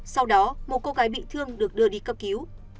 sau đó một cô gái bị thương được đưa đi cấp cứu